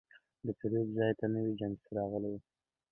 د پیرود ځای ته نوی جنس راغلی و.